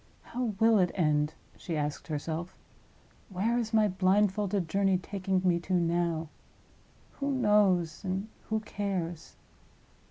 "How will it end?" she asked herself. "Where is my blindfolded journey taking me to now? Who knows, and who cares?"